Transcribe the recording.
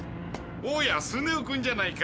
おやスネ夫くんじゃないか。